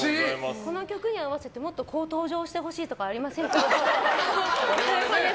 この曲に合わせてもっとこう登場してほしいとかありますか？